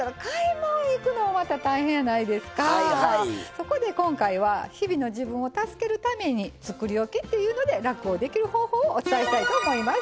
そこで今回は日々の自分を助けるためにつくりおきっていうので楽をできる方法をお伝えしたいと思います。